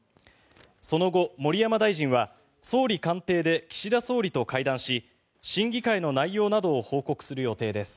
その後、盛山大臣は総理官邸で岸田総理と会談し審議会の内容などを報告する予定です。